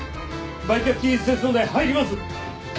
売却期日ですので入ります。